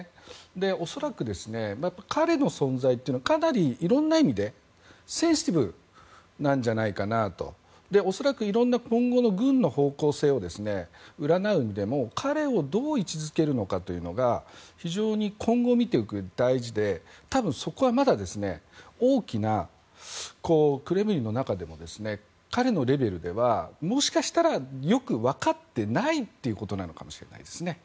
恐らく、彼の存在というのはかなりいろんな意味でセンシティブなんじゃないかなと恐らく、今後の軍の方向性を占う意味でも彼をどう位置づけるかというのが非常に今後見ていくうえで大事で多分、そこはまだクレムリンの中でも彼のレベルでは、もしかしたらよく分かっていないことなのかもしれないですね。